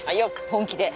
本気で。